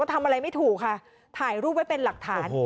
ทำอะไรไม่ถูกค่ะถ่ายรูปไว้เป็นหลักฐาน